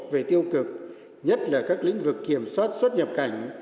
về tiêu cực nhất là các lĩnh vực kiểm soát xuất nhập cảnh